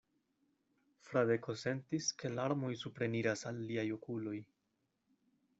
Fradeko sentis, ke larmoj supreniras al liaj okuloj.